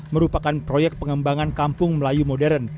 merupakan proyek pengembangan kampung melayu modern